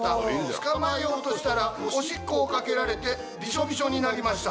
捕まえようとしたらおしっこをかけられてビショビショになりました」。